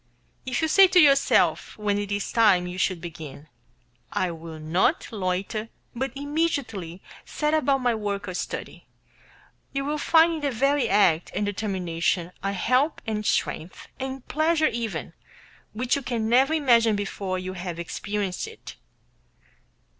If you say to yourself, when it is time you should begin, "I will not loiter, but immediately set about my work or study," you will find in the very act and determination a help and strength, and pleasure even, which you can never imagine before you have experienced it.